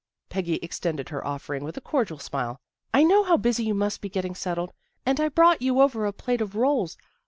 " Peggy extended her offering with a cordial smile. " I know how busy you must be getting settled, and I brought you over a plate of rolls.